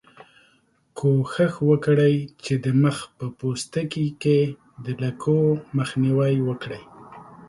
کوښښ وکړئ چې د مخ په پوستکي کې د لکو مخنیوی وکړئ.